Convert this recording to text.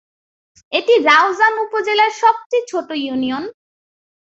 এটি রাউজান উপজেলার সবচেয়ে ছোট ইউনিয়ন।